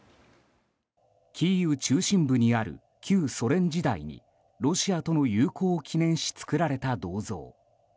キーウ中心部にある旧ソ連時代にロシアとの友好を記念し作られた銅像。